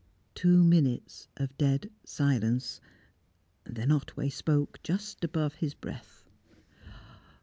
Two minutes of dead silence; then Otway spoke just above his breath.